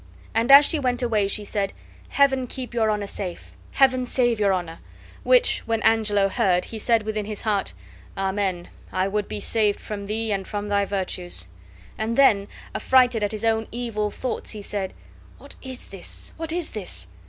And as she went away she said: "Heaven keep your Honor safe! Heaven save your Honor!" Which, when Angelo heard, he said within his heart, "Amen, I would be saved from thee and from thy virtues." And then, affrighted at his own evil thoughts, he said: "What is this? What is this?